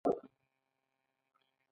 د افغانستان موسیقي ځانګړی رنګ لري.